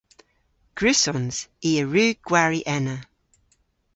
Gwrussons. I a wrug gwari ena.